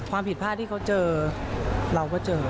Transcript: ความผิดพลาดที่เขาเจอเราก็เจอ